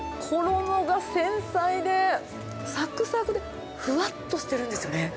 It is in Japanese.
衣が繊細で、さくさくで、ふわっとしてるんですよね。